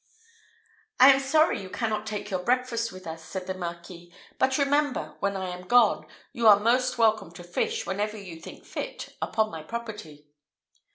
"I am sorry you cannot take your breakfast with us," said the Marquis; "but remember, when I am gone, you are most welcome to fish, whenever you think fit, upon my property."